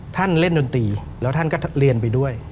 ท่านเล่นดนตรีแล้วท่านก็เรียนไปด้วย